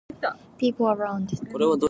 People around.